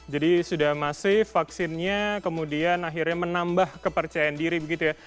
jadi sudah masih vaksinnya kemudian akhirnya menambah kepercayaan diri begitu ya